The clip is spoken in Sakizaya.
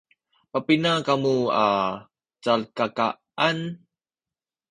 papina kamu a calkakaan?